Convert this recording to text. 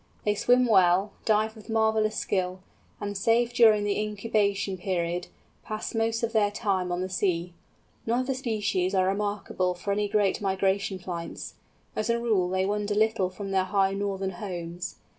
They swim well, dive with marvellous skill, and save during the incubation period, pass most of their time on the sea. None of the species are remarkable for any great migration flights; as a rule they wander little from their high northern homes.